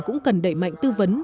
cũng cần đẩy mạnh tư vấn